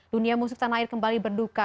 dunia musik tanah air kembali berduka